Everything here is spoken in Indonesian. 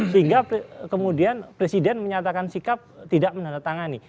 hingga kemudian presiden menyatakan sikap tidak menandatangani